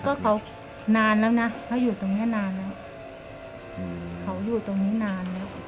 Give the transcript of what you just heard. ก็เขานานแล้วนะเขาอยู่ตรงเนี้ยนานแล้วเขาอยู่ตรงนี้นานแล้ว